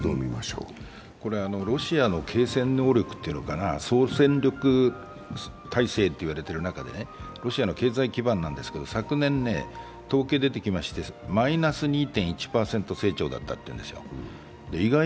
ロシアの継戦能力というのか、総戦力体制という中でロシアの経済基盤なんですけれども、昨年、統計が出てきましてマイナス２．１％成長だったというんですよ。